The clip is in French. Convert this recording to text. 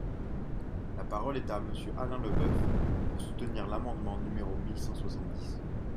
La parole est à Monsieur Alain Leboeuf, pour soutenir l’amendement numéro mille cent soixante-dix.